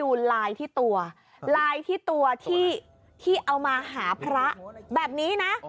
ดูลายที่ตัวลายที่ตัวที่เอามาหาพระแบบนี้นะ